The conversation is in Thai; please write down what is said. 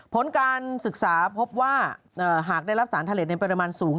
ผลการศึกษาพบว่าหากได้รับสารทะเลในปริมาณสูง